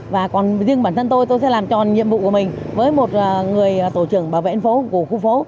và còn riêng bản thân tôi tôi sẽ làm tròn nhiệm vụ của mình với một người tổ trưởng bảo vệ dân phố của khu phố